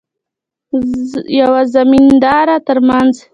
یوه زمیندار ترمنځ.